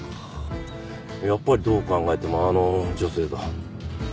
やっぱりどう考えてもあの女性だ。